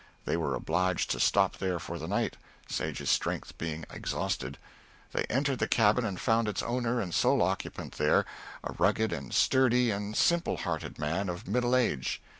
They were obliged to stop there for the night, Sage's strength being exhausted. They entered the cabin and found its owner and sole occupant there, a rugged and sturdy and simple hearted man of middle age.